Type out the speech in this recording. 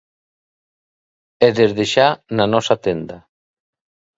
E desde xa, na nosa tenda.